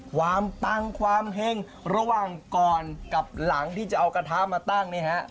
ปังความเห็งระหว่างก่อนกับหลังที่จะเอากระทะมาตั้งเนี่ยฮะ